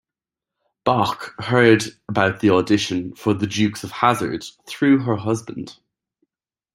Bach heard about the audition for "The Dukes of Hazzard" through her husband.